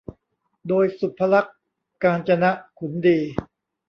โดย สุภลักษณ์ กาญจนขุนดี